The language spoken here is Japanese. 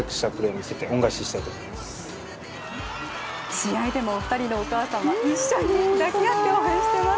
試合でも２人のお母さんは一緒に抱き合って応援しています。